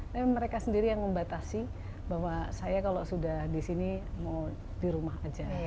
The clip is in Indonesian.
tapi mereka sendiri yang membatasi bahwa saya kalau sudah di sini mau di rumah aja